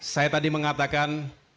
saya tadi mengatakan